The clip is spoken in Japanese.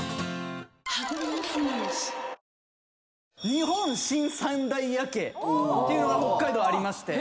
日本新三大夜景っていうのが北海道ありまして。